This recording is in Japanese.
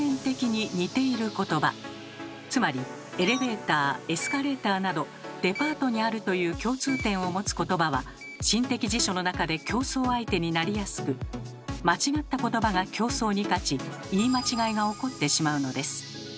つまりエレベーターエスカレーターなど「デパートにある」という共通点を持つ言葉は心的辞書の中で競争相手になりやすく間違った言葉が競争に勝ち言い間違いが起こってしまうのです。